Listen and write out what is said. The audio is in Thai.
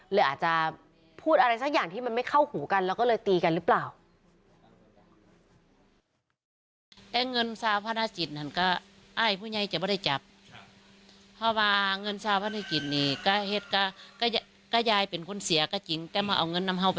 เลยอาจจะพูดอะไรสักอย่างที่มันไม่เข้าหูกันแล้วก็เลยตีกันหรือเปล่า